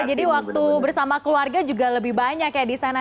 jadi waktu bersama keluarga juga lebih banyak ya di sana